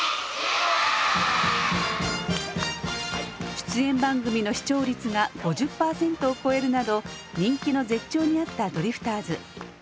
出演番組の視聴率が５０％を超えるなど人気の絶頂にあったドリフターズ。